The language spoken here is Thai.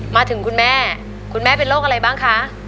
มาถึงคุณแม่คุณแม่เป็นโรคอะไรบ้างคะ